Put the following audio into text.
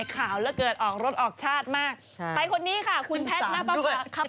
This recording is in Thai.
คอนเสิร์ต๑๖พศยนี้นะคะเดี๋ยวช่วงหน้ามาฟังข่าวนี้กัน